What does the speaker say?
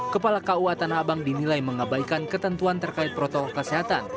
kepala kauatan habang dinilai mengabaikan ketentuan terkait protokol kesehatan